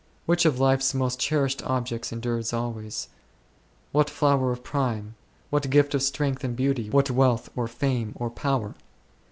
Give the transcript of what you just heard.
Which of life's most cherished objects endures always ? What flower of prime ? What gift of strength and beauty ? What wealth, or fame, or power